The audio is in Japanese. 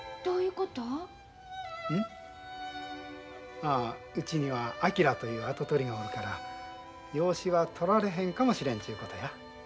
ああうちには昭という跡取りがおるから養子は取られへんかもしれんちゅうことや。